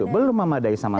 belum memadai sama sekali